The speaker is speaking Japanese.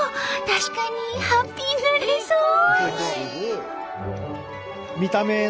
確かにハッピーになれそう！